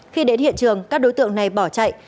khi đến hiện trường các đối tượng này bỏ chạy